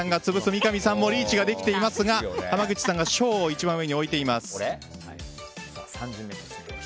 三上さんもリーチができていますが濱口さんが小を一番上に置いています。